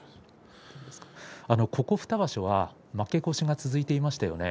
ここ２場所は、負け越しが続いていましたよね。